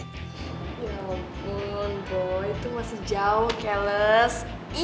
ngomongin boy itu masih jauh keles